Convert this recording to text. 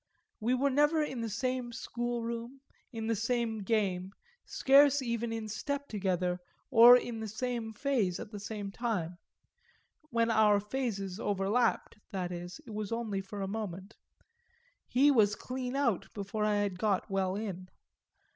We were never in the same schoolroom, in the same game, scarce even in step together or in the same phase at the same time; when our phases overlapped, that is, it was only for a moment he was clean out before I had got well in.